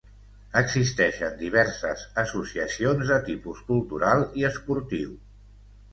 Existeixen diverses associacions de tipus cultural i esportiu.